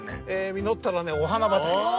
実ったらねお花畑。